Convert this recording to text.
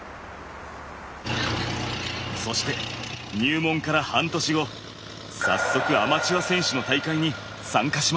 そして入門から半年後早速アマチュア選手の大会に参加しました。